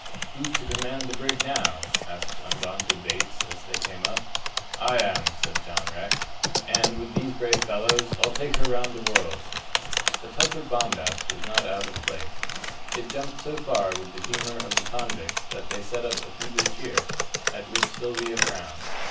"Who's to command the brig now?" asked undaunted Bates, as they came up. "I am," says John Rex, "and, with these brave fellows, I'll take her round the world." The touch of bombast was not out of place. It jumped so far with the humour of the convicts that they set up a feeble cheer, at which Sylvia frowned.